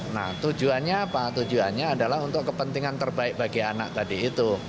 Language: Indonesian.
nah tujuannya apa tujuannya adalah untuk kepentingan terbaik bagi anak tadi itu